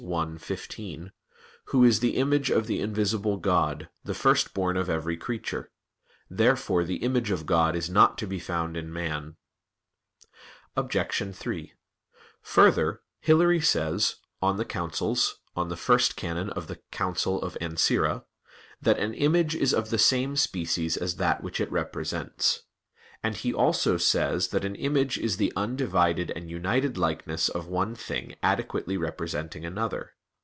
1:15): "Who is the image of the invisible God, the First Born of every creature." Therefore the image of God is not to be found in man. Obj. 3: Further, Hilary says (De Synod [*Super i can]. Synod. Ancyr.) that "an image is of the same species as that which it represents"; and he also says that "an image is the undivided and united likeness of one thing adequately representing another."